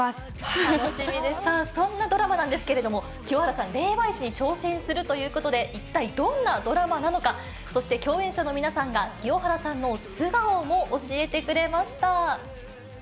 さあ、そんなドラマなんですけど、清原さん、霊媒師に挑戦するということで、一体どんなドラマなのか、そして共演者の皆さんが清原さんの素顔も教えてくれました。